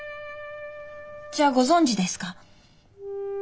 じゃあご存じですか？